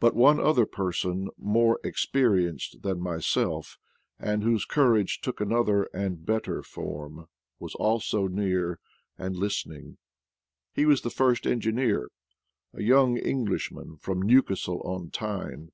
But one other person, more experienced than myself, and whose courage took another and better form, was also near and lis tening. He was the first engineer — a young Eng lishman from Newcastle on Tyne.